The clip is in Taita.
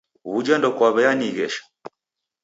W'uja ndokwaw'ianighesha?